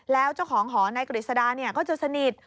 แล้วเจ้าของหอนายกฤษดาก็จะสนิท